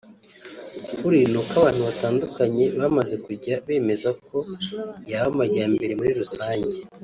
ukuri ni uko abantu batandukanye bamaze kujya bemeza ko yaba amajyambere muri rusange